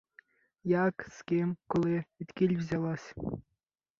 Як, з ким, коли, відкіль взялась.